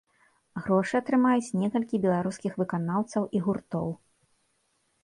Грошы атрымаюць некалькі беларускіх выканаўцаў і гуртоў.